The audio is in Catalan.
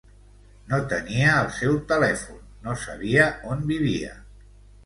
No tenia el seu telèfon, no sabia on vivia.